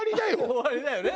終わりだよね